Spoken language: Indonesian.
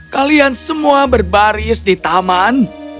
kalian semua berbaris di taman